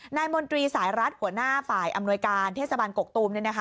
มนตรีสายรัฐหัวหน้าฝ่ายอำนวยการเทศบาลกกตูม